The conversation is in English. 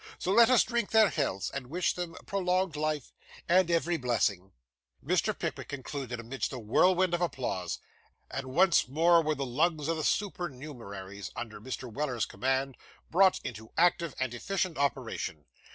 So, let us drink their healths, and wish them prolonged life, and every blessing!' Mr. Pickwick concluded amidst a whirlwind of applause; and once more were the lungs of the supernumeraries, under Mr. Weller's command, brought into active and efficient operation.